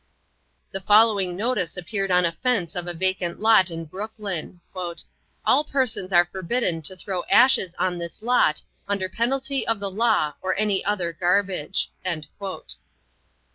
The following notice appeared on the fence of a vacant lot in Brooklyn: "All persons are forbidden to throw ashes on this lot under penalty of the law or any other garbage."